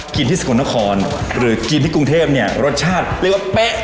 ที่สกลนครหรือกินที่กรุงเทพเนี่ยรสชาติเรียกว่าเป๊ะ